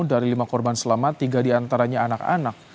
dari lima korban selamat tiga diantaranya anak anak